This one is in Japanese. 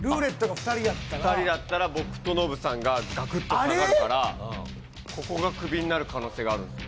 ２人だったら、僕とノブさんががくっと下がるから、ここがクビになる可能性があるんですよ。